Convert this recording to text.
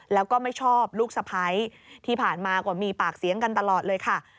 แล้วก็ไม่ชอบลูกสะพ้ายที่ผ่านมาก็มีปากเสียงกันตลอดเลยค่ะ